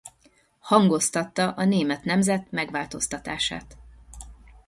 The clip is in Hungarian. Hangoztatta a német nemzet megváltoztatását.